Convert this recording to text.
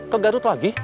ke garut lagi